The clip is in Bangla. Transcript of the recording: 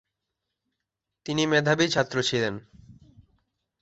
তিনি মেধাবী ছাত্র ছিলেন।